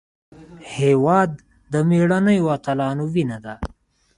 هېواد د مېړنیو اتلانو وینه ده.